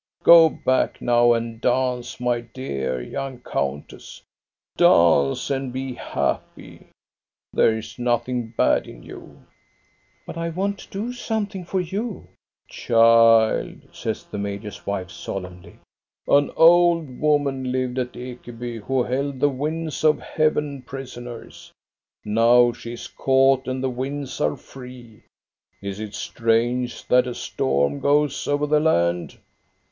Go back now and dance, my dear young countess. Dance and be happy! There is nothing bad in you." '* But I want to do something for you." " Child," says the major's wife, solemnly, " an old woman lived at Ekeby who held the winds of heaven prisoners. Now she is caught and the winds are free. Is it strange that a storm goes over the land